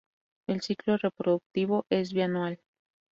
El ciclo reproductivo es bianual.